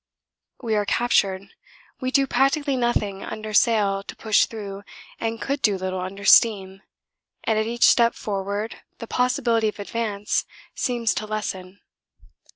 We are captured. We do practically nothing under sail to push through, and could do little under steam, and at each step forward the possibility of advance seems to lessen.